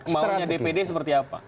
maunya dpd seperti apa